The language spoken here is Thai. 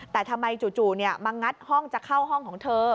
แต่ทำไมจู่มางัดห้องจะเข้าห้องของเธอ